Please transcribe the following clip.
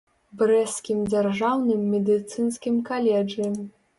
Брэсцкім дзяржаўным медыцынскім каледжы.